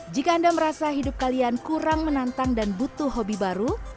jika anda merasa hidup kalian kurang menantang dan butuh hobi baru